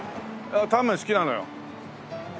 タンメン好きなのよ。